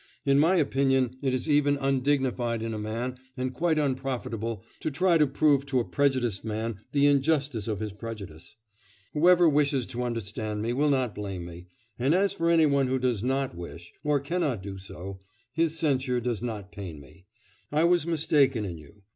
In my opinion it is even undignified in a man and quite unprofitable to try to prove to a prejudiced man the injustice of his prejudice. Whoever wishes to understand me will not blame me, and as for any one who does not wish, or cannot do so, his censure does not pain me. I was mistaken in you.